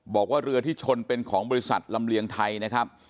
บอกว่าเรือที่ชนเป็นของบริษัทลำเลียงไทยนะครับ